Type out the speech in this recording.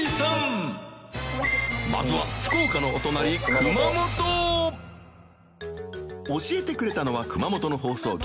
まずは福岡のお隣熊本教えてくれたのは熊本の放送局